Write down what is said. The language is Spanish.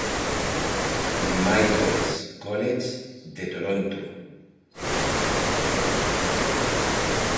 Michael's College de Toronto.